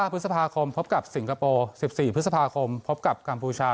พฤษภาคมพบกับสิงคโปร์๑๔พฤษภาคมพบกับกัมพูชา